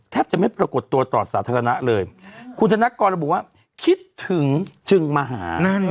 แทบจะไม่ปรากฏตัวต่อสาธารณะเลยคุณธนกรระบุว่าคิดถึงจึงมาหา